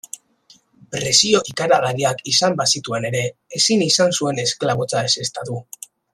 Presio ikaragarriak izan bazituen ere, ezin izan zuen esklabotza ezeztatu.